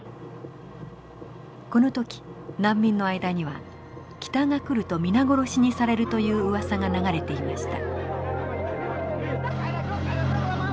この時難民の間には北が来ると皆殺しにされるといううわさが流れていました。